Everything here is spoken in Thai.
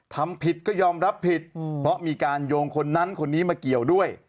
ทำผิดก็ยอมรับผิดเพราะมีการโยงคนนั้นคนนี้มาเกี่ยวด้วย